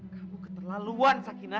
kamu keterlaluan sakina